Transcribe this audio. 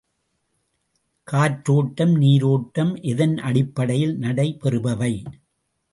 காற்றோட்டம், நீரோட்டம் எதன் அடிப்படையில் நடை பெறுபவை?